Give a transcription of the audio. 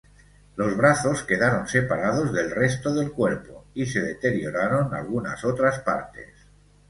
Los brazos quedaron separados del resto del cuerpo y se deterioraron algunas otras partes.